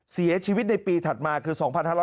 เสียชีวิตในปีถัดมาคือ๒๕๖๐